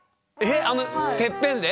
あのてっぺんで？